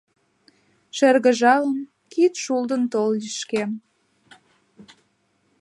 Шыргыжалын, кид шулдын тол лишкем —